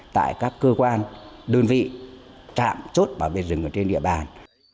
tại các cơ quan đơn vị trạm chốt bảo vệ rừng ở trên địa bàn